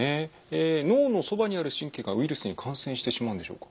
脳のそばにある神経がウイルスに感染してしまうんでしょうか？